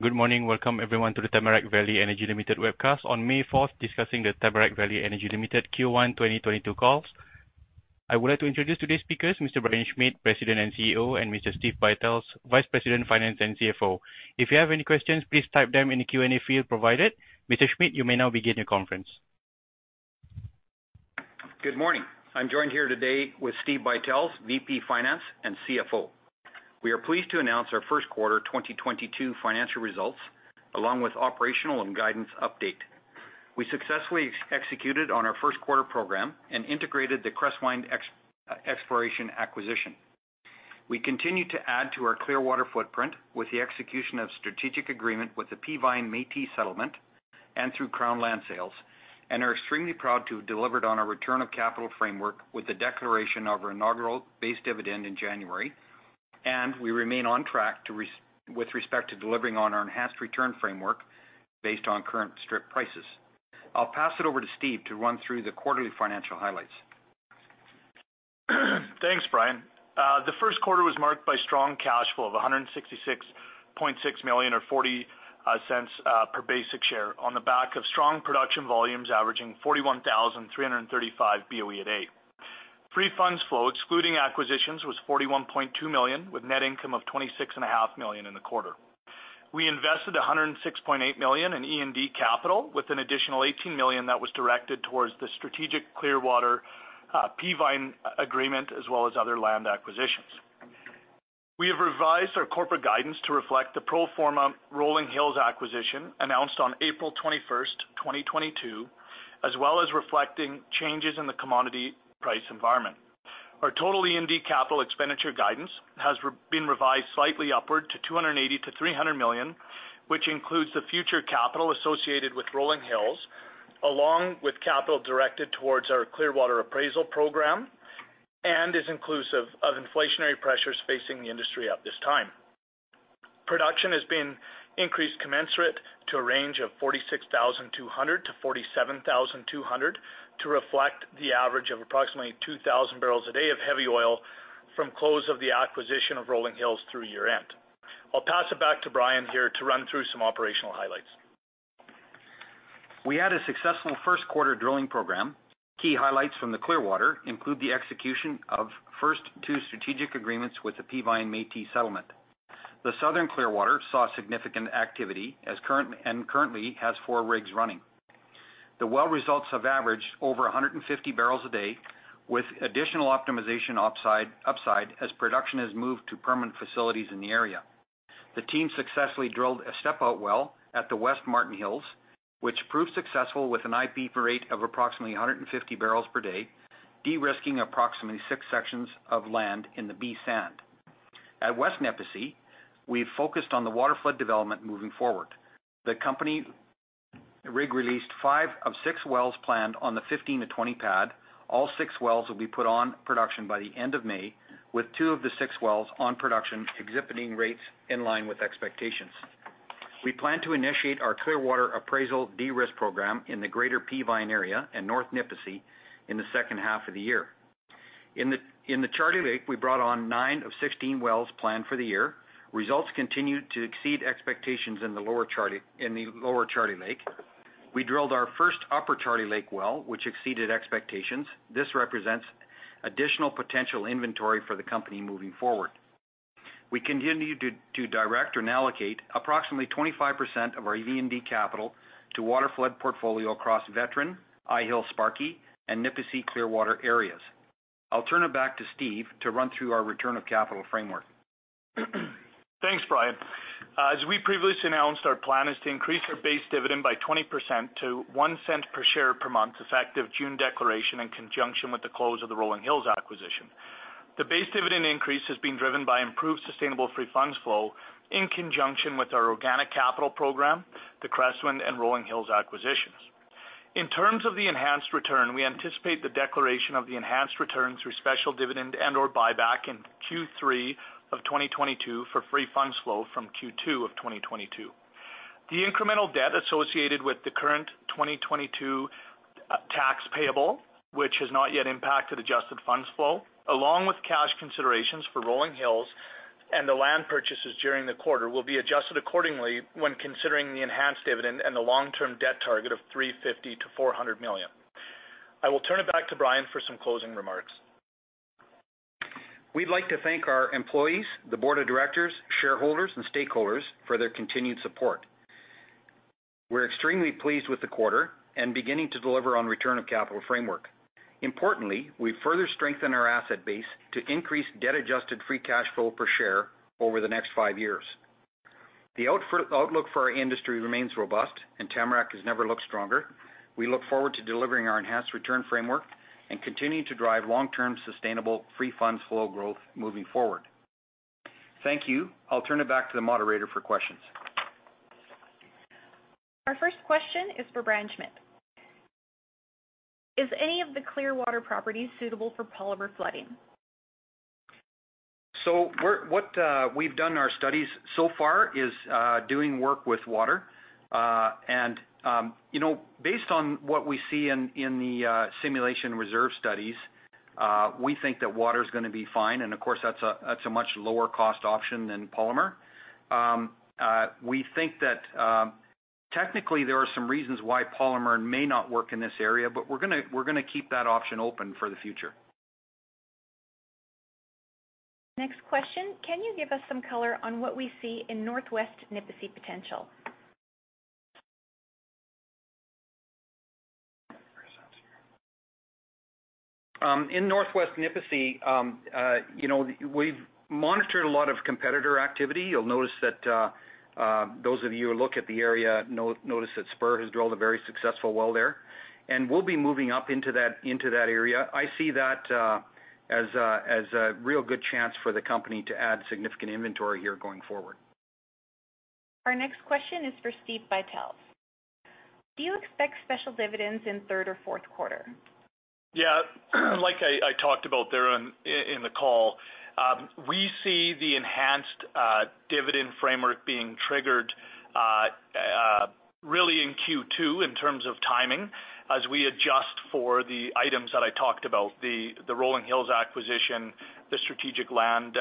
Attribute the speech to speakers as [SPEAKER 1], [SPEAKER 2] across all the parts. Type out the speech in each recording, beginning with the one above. [SPEAKER 1] Good morning. Welcome everyone to the Tamarack Valley Energy Ltd. webcast on May 4, discussing the Tamarack Valley Energy Ltd. Q1 2022 calls. I would like to introduce today's speakers, Mr. Brian Schmidt, President and CEO, and Mr. Steve Buytels, Vice President, Finance and CFO. If you have any questions, please type them in the Q&A field provided. Mr. Schmidt, you may now begin your conference.
[SPEAKER 2] Good morning. I'm joined here today with Steve Buytels, VP Finance and CFO. We are pleased to announce our first quarter 2022 financial results, along with operational and guidance update. We successfully executed on our first quarter program and integrated the Crestwynd Exploration acquisition. We continue to add to our Clearwater footprint with the execution of strategic agreement with the Peavine Metis Settlement and through Crown land sales, and are extremely proud to have delivered on our return of capital framework with the declaration of our inaugural base dividend in January. We remain on track with respect to delivering on our enhanced return framework based on current strip prices. I'll pass it over to Steve to run through the quarterly financial highlights.
[SPEAKER 3] Thanks, Brian. The first quarter was marked by strong cash flow of 166.6 million or 0.40 per basic share on the back of strong production volumes averaging 41,335 BOE a day. Free funds flow, excluding acquisitions was 41.2 million with net income of 26.5 million in the quarter. We invested 106.8 million in E&D capital with an additional 18 million that was directed towards the strategic Clearwater Peavine agreement, as well as other land acquisitions. We have revised our corporate guidance to reflect the pro forma Rolling Hills acquisition announced on April 21, 2022, as well as reflecting changes in the commodity price environment. Our total E&D capital expenditure guidance has been revised slightly upward to 280 million-300 million, which includes the future capital associated with Rolling Hills, along with capital directed towards our Clearwater appraisal program, and is inclusive of inflationary pressures facing the industry at this time. Production has been increased commensurate to a range of 46,200-47,200 to reflect the average of approximately 2,000 barrels a day of heavy oil from close of the acquisition of Rolling Hills through year-end. I'll pass it back to Brian here to run through some operational highlights.
[SPEAKER 2] We had a successful first quarter drilling program. Key highlights from the Clearwater include the execution of first two strategic agreements with the Peavine Metis Settlement. The southern Clearwater saw significant activity and currently has four rigs running. The well results have averaged over 150 barrels a day with additional optimization upside as production has moved to permanent facilities in the area. The team successfully drilled a step-out well at the West Marten Hills, which proved successful with an IP rate of approximately 150 barrels per day, de-risking approximately six sections of land in the B sand. At West Nipisi, we've focused on the waterflood development moving forward. The company rig released five of six wells planned on the 15-20 pad. All 6 wells will be put on production by the end of May, with 2 of the 6 wells on production exhibiting rates in line with expectations. We plan to initiate our Clearwater appraisal de-risk program in the greater Peavine area and North Nipisi in the second half of the year. In the Charlie Lake, we brought on 9 of 16 wells planned for the year. Results continued to exceed expectations in the lower Charlie Lake. We drilled our first upper Charlie Lake well, which exceeded expectations. This represents additional potential inventory for the company moving forward. We continue to direct and allocate approximately 25% of our E&D capital to waterflood portfolio across Veteran, Eyehill Sparky and Nipisi Clearwater areas. I'll turn it back to Steve to run through our return of capital framework.
[SPEAKER 3] Thanks, Brian. As we previously announced, our plan is to increase our base dividend by 20% to 0.01 per share per month, effective June declaration in conjunction with the close of the Rolling Hills acquisition. The base dividend increase is being driven by improved sustainable free funds flow in conjunction with our organic capital program, the Crestwynd and Rolling Hills acquisitions. In terms of the enhanced return, we anticipate the declaration of the enhanced return through special dividend and/or buyback in Q3 of 2022 for free funds flow from Q2 of 2022. The incremental debt associated with the current 2022 tax payable, which has not yet impacted adjusted funds flow, along with cash considerations for Rolling Hills and the land purchases during the quarter will be adjusted accordingly when considering the enhanced dividend and the long-term debt target of 350 million-400 million. I will turn it back to Brian for some closing remarks.
[SPEAKER 2] We'd like to thank our employees, the board of directors, shareholders and stakeholders for their continued support. We're extremely pleased with the quarter and beginning to deliver on return of capital framework. Importantly, we've further strengthened our asset base to increase debt adjusted free cash flow per share over the next five years. The outlook for our industry remains robust and Tamarack has never looked stronger. We look forward to delivering our enhanced return framework and continuing to drive long-term sustainable free funds flow growth moving forward. Thank you. I'll turn it back to the moderator for questions.
[SPEAKER 1] Our first question is for Brian Schmidt. Is any of the Clearwater properties suitable for polymer flooding?
[SPEAKER 2] We've done in our studies so far is doing work with water. You know, based on what we see in the simulation reserve studies, we think that water is gonna be fine. Of course, that's a much lower cost option than polymer. We think that technically, there are some reasons why polymer may not work in this area, but we're gonna keep that option open for the future.
[SPEAKER 1] Next question. Can you give us some color on what we see in Northwest Nipisi potential?
[SPEAKER 2] In Northwest Nipisi, you know, we've monitored a lot of competitor activity. You'll notice that, those of you who look at the area notice that Spur has drilled a very successful well there, and we'll be moving up into that, into that area. I see that, as a, as a real good chance for the company to add significant inventory here going forward.
[SPEAKER 1] Our next question is for Steve Buytels. Do you expect special dividends in third or fourth quarter?
[SPEAKER 3] Yeah. I talked about there in the call, we see the enhanced dividend framework being triggered really in Q2 in terms of timing as we adjust for the items that I talked about, the Rolling Hills acquisition, the strategic land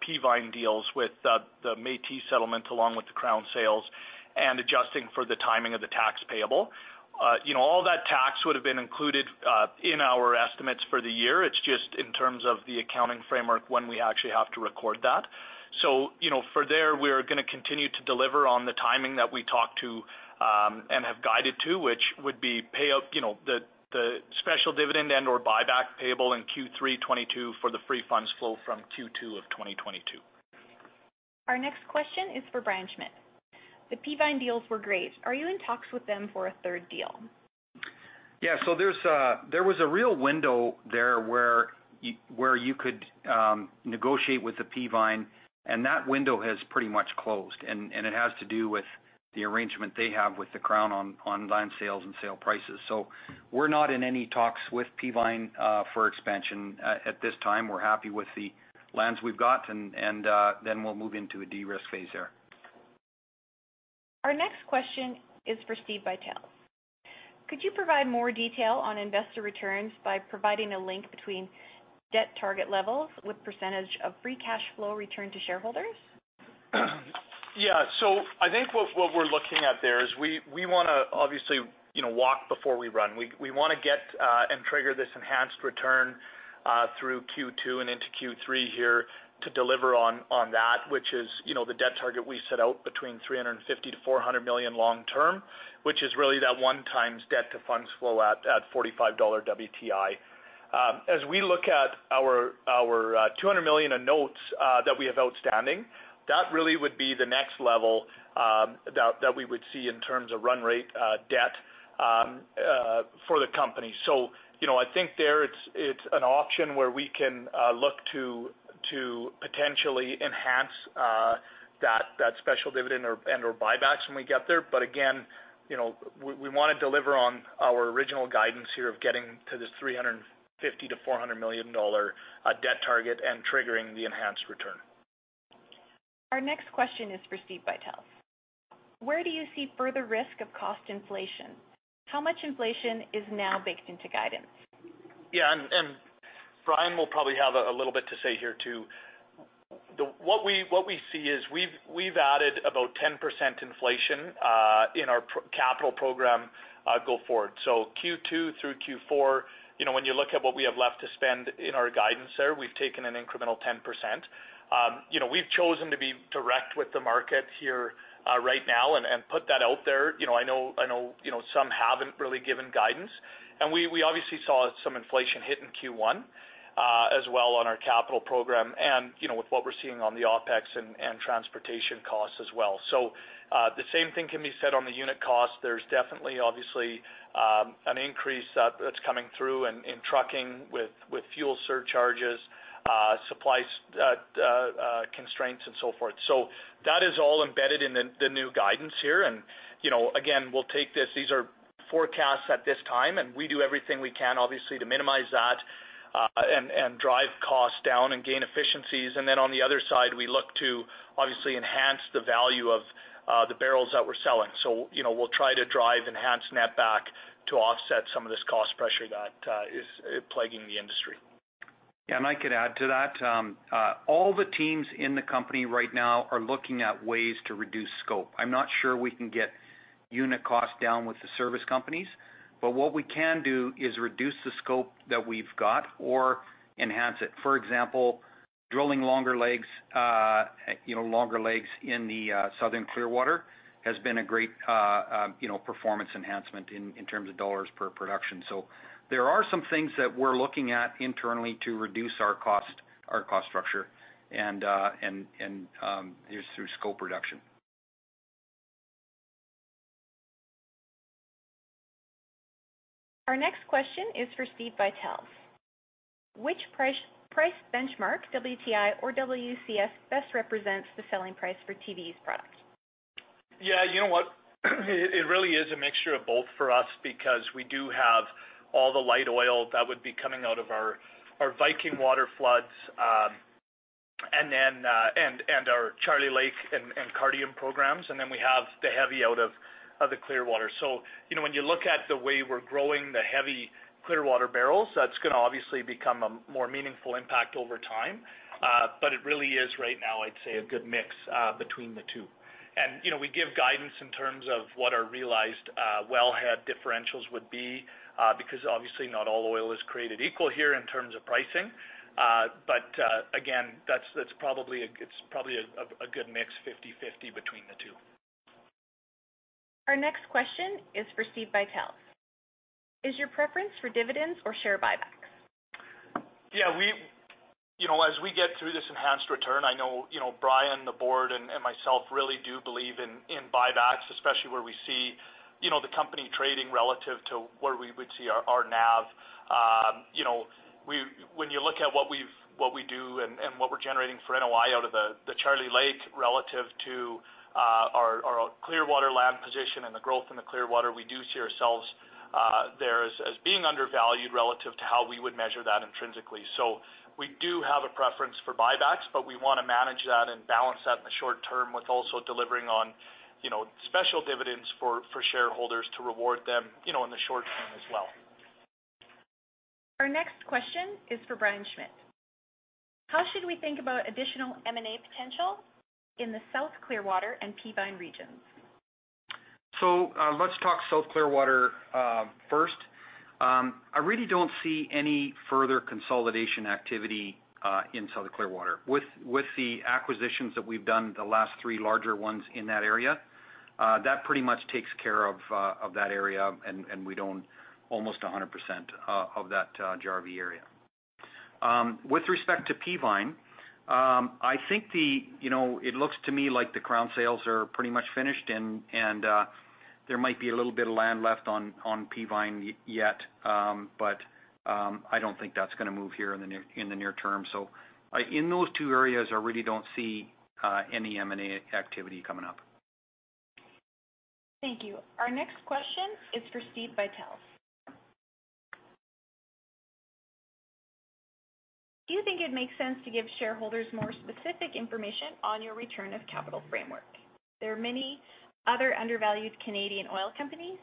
[SPEAKER 3] Peavine deals with the Métis settlement, along with the Crown sales and adjusting for the timing of the tax payable. You know, all that tax would have been included in our estimates for the year. It's just in terms of the accounting framework when we actually have to record that. You know, from there, we're gonna continue to deliver on the timing that we talked to and have guided to, which would be payout, you know, the special dividend and/or buyback payable in Q3 2022 for the free funds flow from Q2 of 2022.
[SPEAKER 1] Our next question is for Brian Schmidt. The Peavine deals were great. Are you in talks with them for a third deal?
[SPEAKER 2] Yeah. There was a real window there where you could negotiate with the Peavine, and that window has pretty much closed, and it has to do with the arrangement they have with the Crown on land sales and sale prices. We're not in any talks with Peavine for expansion. At this time, we're happy with the lands we've got, and then we'll move into a de-risk phase there. Our next question is for Steve Buytels. Could you provide more detail on investor returns by providing a link between debt target levels with percentage of free cash flow return to shareholders?
[SPEAKER 3] Yeah. I think what we're looking at there is we wanna obviously, you know, walk before we run. We wanna get and trigger this enhanced return through Q2 and into Q3 here to deliver on that, which is, you know, the debt target we set out between 350 million-400 million long term, which is really that 1x debt to funds flow at $45 WTI. As we look at our 200 million of notes that we have outstanding, that really would be the next level that we would see in terms of run rate debt for the company. You know, I think it's an option where we can look to potentially enhance that special dividend or and/or buybacks when we get there. Again, you know, we wanna deliver on our original guidance here of getting to this 350 million-400 million dollar debt target and triggering the enhanced return.
[SPEAKER 1] Our next question is for Steve Buytels. Where do you see further risk of cost inflation? How much inflation is now baked into guidance?
[SPEAKER 3] Yeah. Brian will probably have a little bit to say here too. What we see is we've added about 10% inflation in our capital program go forward. Q2 through Q4, you know, when you look at what we have left to spend in our guidance there, we've taken an incremental 10%. You know, we've chosen to be direct with the market here right now and put that out there. You know, I know some haven't really given guidance. We obviously saw some inflation hit in Q1 as well on our capital program and you know with what we're seeing on the OpEx and transportation costs as well. The same thing can be said on the unit cost. There's definitely, obviously, an increase that's coming through in trucking with fuel surcharges, supply constraints and so forth. That is all embedded in the new guidance here. You know, again, we'll take this. These are forecasts at this time, and we do everything we can, obviously, to minimize that and drive costs down and gain efficiencies. Then on the other side, we look to obviously enhance the value of the barrels that we're selling. You know, we'll try to drive enhanced net back to offset some of this cost pressure that is plaguing the industry.
[SPEAKER 2] Yeah. I could add to that. All the teams in the company right now are looking at ways to reduce scope. I'm not sure we can get unit cost down with the service companies, but what we can do is reduce the scope that we've got or enhance it. For example, drilling longer legs, you know, longer legs in the Southern Clearwater has been a great, you know, performance enhancement in terms of dollars per production. There are some things that we're looking at internally to reduce our cost structure is through scope reduction.
[SPEAKER 1] Our next question is for Steve Buytels. Which price benchmark, WTI or WCS, best represents the selling price for TVE's product?
[SPEAKER 3] Yeah. You know what? It really is a mixture of both for us because we do have all the light oil that would be coming out of our Viking waterfloods, and our Charlie Lake and Cardium programs, and then we have the heavy out of the Clearwater. You know, when you look at the way we're growing the heavy Clearwater barrels, that's gonna obviously become a more meaningful impact over time. It really is right now, I'd say, a good mix between the two. You know, we give guidance in terms of what our realized wellhead differentials would be because obviously not all oil is created equal here in terms of pricing. Again, that's probably a good mix, 50/50 between the two.
[SPEAKER 1] Our next question is for Steve Buytels. Is your preference for dividends or share buybacks?
[SPEAKER 3] Yeah, you know, as we get through this enhanced return, I know, you know, Brian, the board, and myself really do believe in buybacks, especially where we see, you know, the company trading relative to where we would see our NAV. You know, when you look at what we do and what we're generating for NOI out of the Charlie Lake relative to our Clearwater land position and the growth in the Clearwater, we do see ourselves there as being undervalued relative to how we would measure that intrinsically. We do have a preference for buybacks, but we wanna manage that and balance that in the short term with also delivering on, you know, special dividends for shareholders to reward them, you know, in the short term as well.
[SPEAKER 1] Our next question is for Brian Schmidt. How should we think about additional M&A potential in the South Clearwater and Peavine regions?
[SPEAKER 2] Let's talk South Clearwater first. I really don't see any further consolidation activity in South Clearwater. With the acquisitions that we've done, the last three larger ones in that area, that pretty much takes care of that area, and we'd own almost 100% of that Jarvie area. With respect to Peavine, I think the, you know, it looks to me like the Crown sales are pretty much finished and there might be a little bit of land left on Peavine yet, but I don't think that's gonna move here in the near term. In those two areas, I really don't see any M&A activity coming up.
[SPEAKER 1] Thank you. Our next question is for Steve Buytels. Do you think it makes sense to give shareholders more specific information on your return of capital framework? There are many other undervalued Canadian oil companies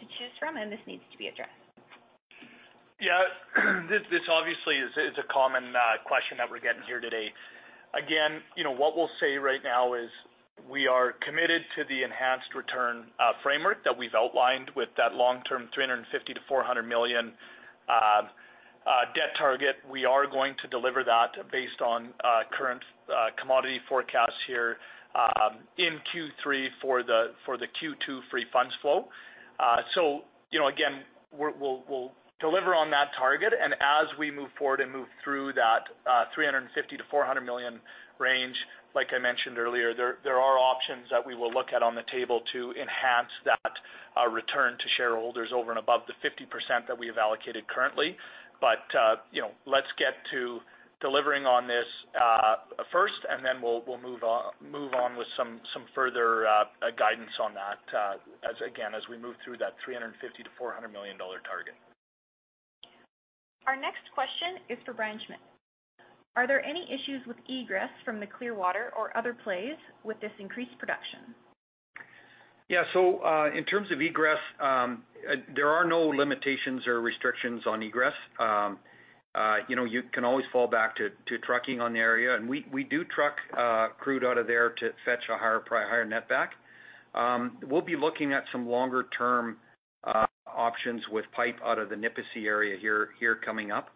[SPEAKER 1] to choose from, and this needs to be addressed.
[SPEAKER 3] Yeah. This obviously is a common question that we're getting here today. Again, you know, what we'll say right now is we are committed to the enhanced return framework that we've outlined with that long-term 350 million-400 million debt target. We are going to deliver that based on current commodity forecasts here in Q3 for the Q2 free funds flow. You know, again, we'll deliver on that target. As we move forward and move through that 350 million-400 million range, like I mentioned earlier, there are options that we will look at on the table to enhance that return to shareholders over and above the 50% that we have allocated currently. You know, let's get to delivering on this first, and then we'll move on with some further guidance on that, as again as we move through that 350 million-400 million dollar target.
[SPEAKER 1] Our next question is for Brian Schmidt. Are there any issues with egress from the Clearwater or other plays with this increased production?
[SPEAKER 2] Yeah. In terms of egress, there are no limitations or restrictions on egress. You know, you can always fall back to trucking on the area. We do truck crude out of there to fetch a higher net back. We'll be looking at some longer term options with pipe out of the Nipisi area here coming up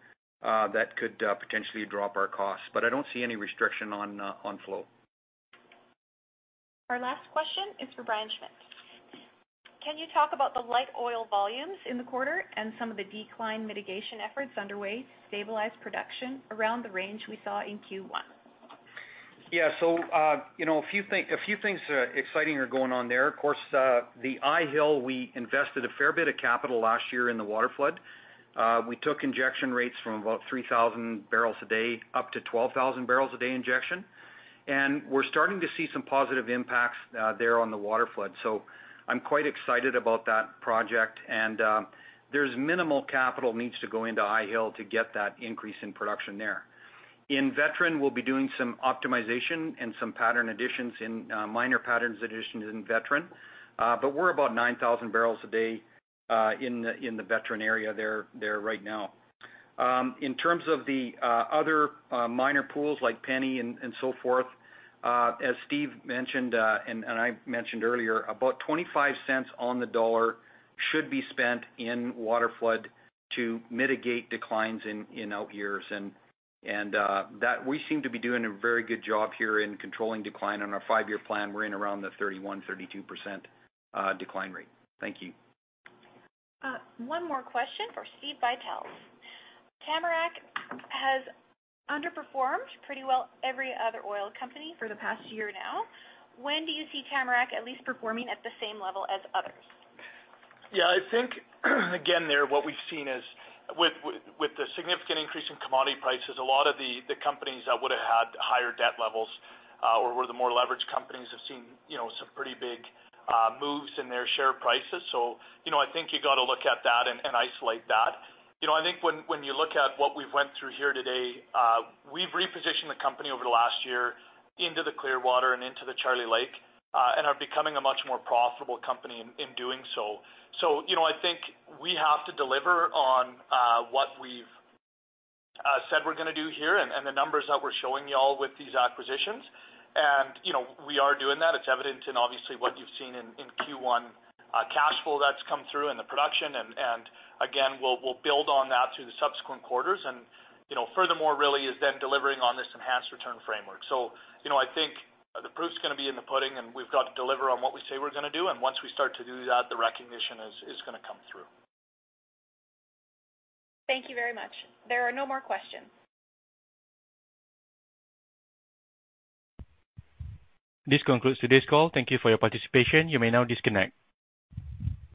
[SPEAKER 2] that could potentially drop our costs. I don't see any restriction on flow.
[SPEAKER 1] Our last question is for Brian Schmidt. Can you talk about the light oil volumes in the quarter and some of the decline mitigation efforts underway to stabilize production around the range we saw in Q1?
[SPEAKER 2] Yeah. You know, a few things exciting are going on there. Of course, the Eyehill, we invested a fair bit of capital last year in the waterflood. We took injection rates from about 3,000 barrels a day up to 12,000 barrels a day injection. We're starting to see some positive impacts there on the waterflood. I'm quite excited about that project, and there's minimal capital needs to go into Eyehill to get that increase in production there. In Veteran, we'll be doing some optimization and some pattern additions in minor patterns additions in Veteran. But we're about 9,000 barrels a day in the Veteran area there right now. In terms of the other minor pools like Penny and so forth, as Steve mentioned, and I mentioned earlier, about 25 cents on the dollar should be spent in waterflood to mitigate declines in out-years. That we seem to be doing a very good job here in controlling decline. On our five year plan, we're in around the 31%-32% decline rate. Thank you.
[SPEAKER 1] One more question for Steve Buytels. Tamarack has underperformed pretty well every other oil company for the past year now. When do you see Tamarack at least performing at the same level as others?
[SPEAKER 3] Yeah. I think, again, there what we've seen is with the significant increase in commodity prices, a lot of the companies that would've had higher debt levels, or were the more leveraged companies have seen, you know, some pretty big moves in their share prices. You know, I think you gotta look at that and isolate that. You know, I think when you look at what we've went through here today, we've repositioned the company over the last year into the Clearwater and into the Charlie Lake, and are becoming a much more profitable company in doing so. You know, I think we have to deliver on what we've said we're gonna do here and the numbers that we're showing y'all with these acquisitions. You know, we are doing that. It's evident in obviously what you've seen in Q1, cash flow that's come through in the production. Again, we'll build on that through the subsequent quarters. You know, furthermore really is then delivering on this enhanced return framework. You know, I think, the proof's gonna be in the pudding, and we've got to deliver on what we say we're gonna do. Once we start to do that, the recognition is gonna come through.
[SPEAKER 1] Thank you very much. There are no more questions. This concludes today's call. Thank you for your participation. You may now disconnect.